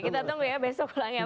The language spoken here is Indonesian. kita tunggu ya besok pulangnya